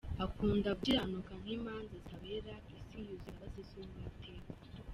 Akunda gukiranuka n’imanza zitabera, Isi yuzuye imbabazi z’Uwiteka.